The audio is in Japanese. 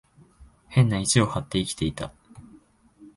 変な意地を張って生きていた。